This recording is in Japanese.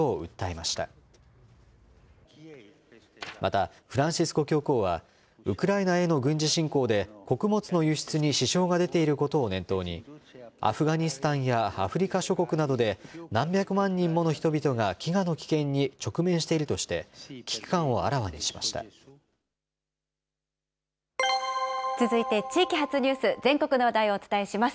また、フランシスコ教皇は、ウクライナへの軍事侵攻で穀物の輸出に支障が出ていることを念頭に、アフガニスタンやアフリカ諸国などで、何百万人もの人々が飢餓の危険に直面しているとして、危機感をあ続いて地域発ニュース、全国の話題をお伝えします。